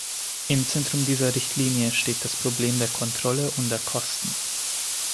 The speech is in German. Im Zentrum dieser Richtlinie steht das Problem der Kontrolle und der Kosten.